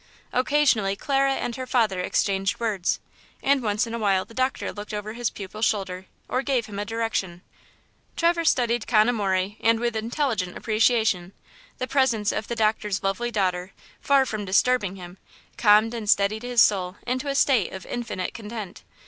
Occasionally Clara and her father exchanged words, and once in a while the doctor looked over his pupil's shoulder or gave him a direction. Traverse studied con amore and with intelligent appreciation. The presence of the doctor's lovely daughter, far from disturbing him, calmed and steadied his soul into a state of infinite content.